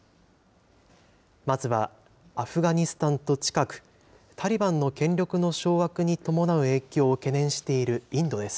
まずはアフガニスタンと近く、タリバンの権力の掌握に伴う影響を懸念しているインドです。